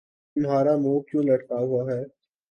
تمہارا منہ کیوں لٹکا ہوا ہے